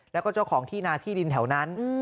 แล้วก็เจ้าของที่นาที่ดินแถวนั้น